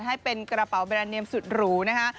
ให้เป็นกระเป๋าแบรนดเนมสุดหรูนะคะ